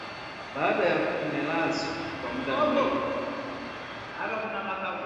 baada ya kulemazwa kwa muda mrefu